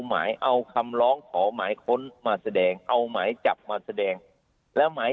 หมายเอาคำร้องขอหมายค้นมาแสดงเอาหมายจับมาแสดงแล้วหมาย